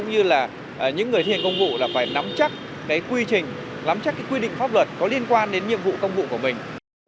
như là những người thi hành công vụ là phải nắm chắc cái quy trình nắm chắc cái quy định pháp luật có liên quan đến nhiệm vụ công vụ của mình